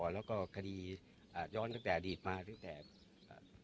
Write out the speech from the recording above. แล้วก็คดีอ่าย้อนตั้งแต่อดีตมาตั้งแต่อ่า